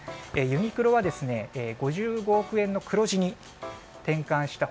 ユニクロは５５億円の黒字に転換した